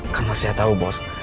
karena saya tau bos